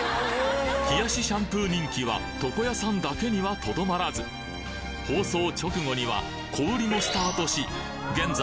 冷やしシャンプー人気は床屋さんだけにはとどまらず放送直後には小売もスタートし現在